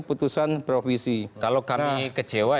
putusan provisi kalau kami kecewa